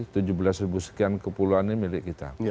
tujuh belas ribu sekian kepulauan ini milik kita